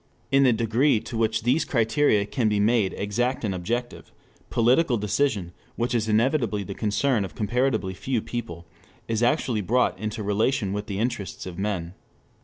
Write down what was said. In the degree to which these criteria can be made exact and objective, political decision, which is inevitably the concern of comparatively few people, is actually brought into relation with the interests of men.